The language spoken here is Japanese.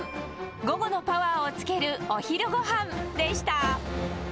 午後のパワーをつけるお昼ごはんでした。